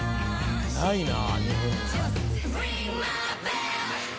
ないな日本には。